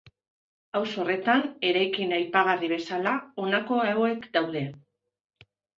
Auzo horretan, eraikin aipagarri bezala, honako hauek daude.